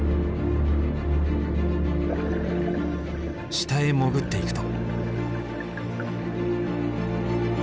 下へ潜っていくと。